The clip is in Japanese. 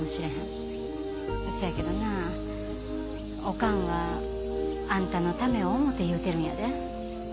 せやけどなおかんはあんたのためを思うて言うてるんやで。